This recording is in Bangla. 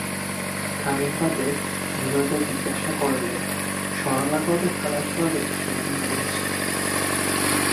খানিক বাদে নীরজা জিজ্ঞাসা করলে, সরলা কবে খালাস পাবে সেই দিন গুণছি।